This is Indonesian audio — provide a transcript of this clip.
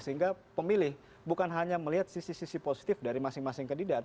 sehingga pemilih bukan hanya melihat sisi sisi positif dari masing masing kandidat